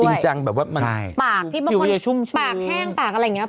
มันจริงจังแบบว่ามั่นมี่ปากที่เหมือนคนปากแห้งปากอะไรอย่างเงี้ย